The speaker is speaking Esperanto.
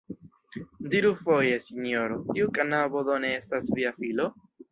Diru foje, sinjoro, tiu knabo do ne estas via filo?